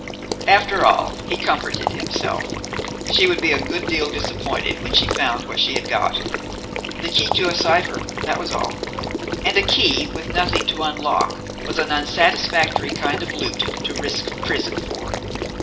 After all, he comforted himself, she would be a good deal disappointed when she found what she had got. The key to a cipher; that was all. And a key with nothing to unlock was an unsatisfactory kind of loot to risk prison for.